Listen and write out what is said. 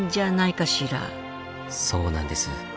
そうなんです。